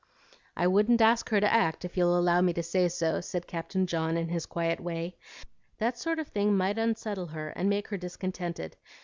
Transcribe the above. "I wouldn't ask her to act, if you'll allow me to say so," said Captain John, in his quiet way. "That sort of thing might unsettle her and make her discontented.